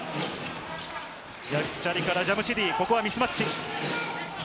ヤクチャリからジャムシディ、ここはミスマッチ。